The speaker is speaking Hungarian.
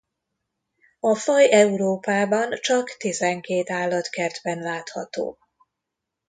A faj Európában csak tizenkét állatkertben látható.